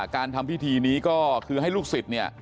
การทำพิธีนี้ก็คือให้ลูกศิษย์เนี่ย